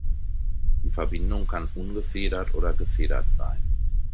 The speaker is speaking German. Die Verbindung kann ungefedert oder gefedert sein.